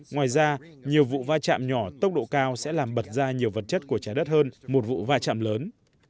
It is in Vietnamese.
ngoài ra nhiều vụ va chạm nhỏ tốc độ cao sẽ làm bật ra nhiều vật chất của trái đất hơn một vụ va chạm lớn